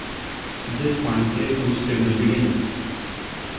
At this point, play from scrimmage begins.